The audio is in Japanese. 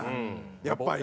やっぱり。